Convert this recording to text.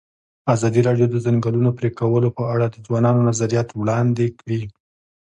ازادي راډیو د د ځنګلونو پرېکول په اړه د ځوانانو نظریات وړاندې کړي.